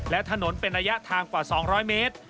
และถนนเป็นระยะทางกว่า๒๐๐เมตร